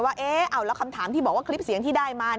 ว่าแล้วคำถามที่บอกว่าคลิปเสียงที่ได้มา